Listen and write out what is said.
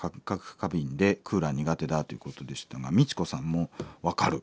過敏でクーラー苦手だということでしたがミチコさんも「分かる。